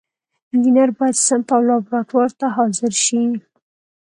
انجینر باید صنف او لابراتوار ته حاضر شي.